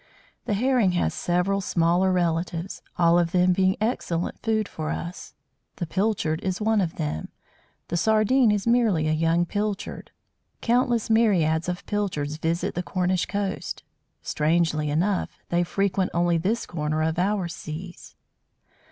The Herring has several smaller relatives, all of them being excellent food for us. The Pilchard is one of them; the Sardine is merely a young Pilchard. Countless myriads of Pilchards visit the Cornish coast; strangely enough, they frequent only this corner of our seas.